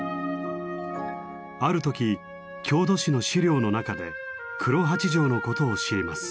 ある時郷土史の史料の中で「黒八丈」のことを知ります。